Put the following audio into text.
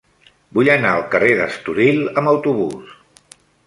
Vull anar al carrer d'Estoril amb autobús.